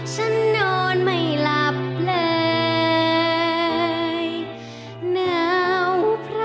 ค่าจริงกร์